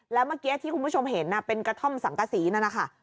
แล้วเมื่อกี้ที่คุณผู้ชมเห็นเป็นกระท่อมสังกษีนั่นนะคะ